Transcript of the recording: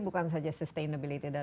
bukan saja sustainability dari kita